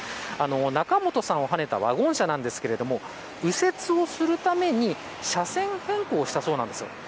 仲本さんをはねたワゴン車ですが右折をするために車線変更をしたそうです。